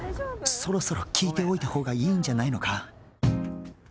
そろそろ聞いておいた方がいいんじゃないのか？